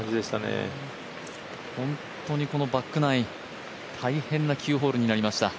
本当にこのバックナイン、大変な９ホールになりました。